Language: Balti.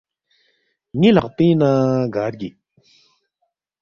ن٘ی لقپِنگ نہ گار گِک؟“